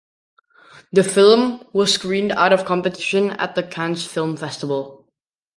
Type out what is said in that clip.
The film was screened out of competition at the Cannes Film Festival.